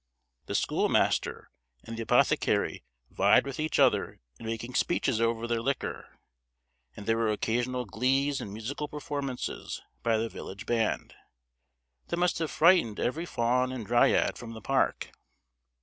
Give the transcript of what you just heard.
The schoolmaster and the apothecary vied with each other in making speeches over their liquor; and there were occasional glees and musical performances by the village band, that must have frightened every faun and dryad from the park.